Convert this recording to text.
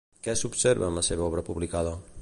Què s'observa en la seva obra publicada?